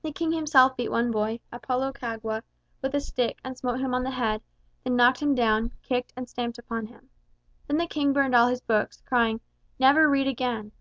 The King himself beat one boy, Apolo Kagwa, with a stick and smote him on the head, then knocked him down, kicked and stamped upon him. Then the King burned all his books, crying, "Never read again."